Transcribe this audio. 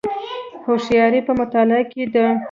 هوښیاري په مطالعې کې ده